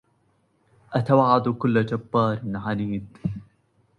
أتوعد كل جبار عنيد